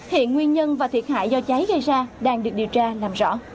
hiện nguyên nhân và thiệt hại do cháy gây ra đang được điều tra làm rõ